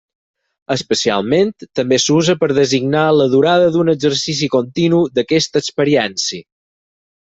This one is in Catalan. Especialment, també s'usa per designar la durada d'un exercici continu d'aquesta experiència.